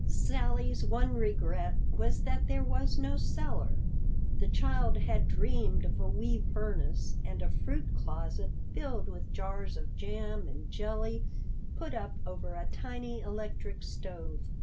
Sally's one regret was that there was no cellar. The child had dreamed of a wee furnace and a fruit closet filled with jars of jam and jelly put up over a tiny electric stove.